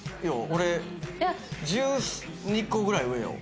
俺１２個ぐらい上よ